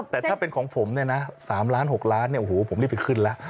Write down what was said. แต่ถ้าเป็นของผมเนี่ยนะ๓ล้าน๖ล้านเนี่ยโอ้โหผมรีบไปขึ้นแล้ว